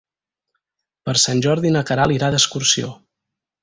Per Sant Jordi na Queralt irà d'excursió.